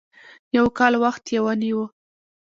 يو کال وخت یې ونیو.